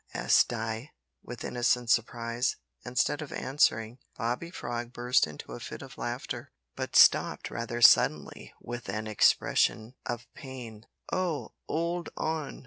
asked Di with innocent surprise. Instead of answering, Bobby Frog burst into a fit of laughter, but stopped rather suddenly with an expression of pain. "Oh! 'old on!